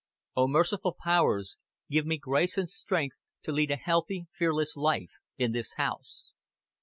"O merciful Powers, give me grace and strength to lead a healthy fearless life in this house."